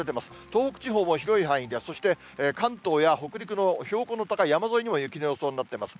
東北地方も広い範囲で、そして関東や北陸の標高の高い山沿いにも雪の予想になっています。